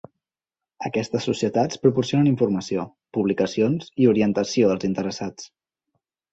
Aquestes societats proporcionen informació, publicacions i orientació als interessats.